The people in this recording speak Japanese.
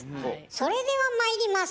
それではまいります！